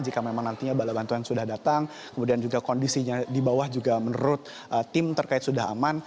jika memang nantinya bala bantuan sudah datang kemudian juga kondisinya di bawah juga menurut tim terkait sudah aman